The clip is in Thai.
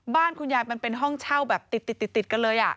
บ้านคุณยายมันเป็นห้องเช่าแบบติดกันเลย